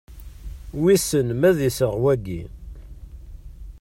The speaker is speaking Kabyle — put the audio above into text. Wissen ma d iseɣ, wagi?